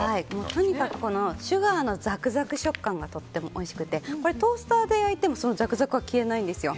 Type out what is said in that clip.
とにかくシュガーのザクザク食感がとってもおいしくてトースターで焼いてもそのザクザクは消えないんですよ。